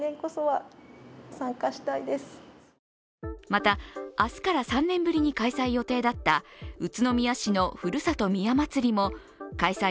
また、明日から３年ぶりに開催予定だった宇都宮市のふるさと宮まつりも開催